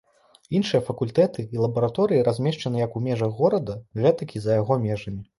Іншыя факультэты і лабараторыі размешчаны як у межах горада, гэтак і за яго межамі.